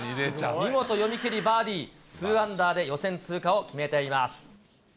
見事読み切りバーディー、２アンダーで予選通過を決めています。